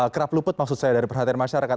kerap luput maksud saya dari perhatian masyarakat